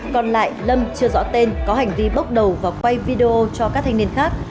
còn lại lâm chưa rõ tên có hành vi bốc đầu và quay video cho các thanh niên khác